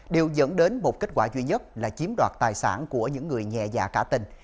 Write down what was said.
đều dẫn đến một kết quả duy nhất là chiếm đoạt tài sản của những người nhẹ dạ cả tình